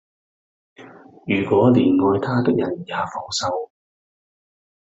如果連愛他的人也放手